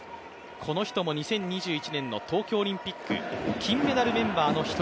この人も２０２１年の東京オリンピック金メダルメンバーの一人。